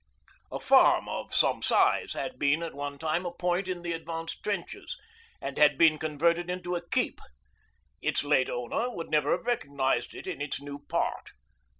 A farm of some size had been at one time a point in the advanced trenches, and had been converted into a 'keep.' Its late owner would never have recognised it in its new part.